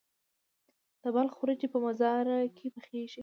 د بلخ وریجې په مزار کې پخیږي.